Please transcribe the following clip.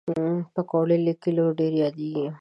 پکورې له کلیو ډېر یادېږي